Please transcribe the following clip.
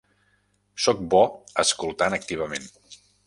Soc bo escoltant activament.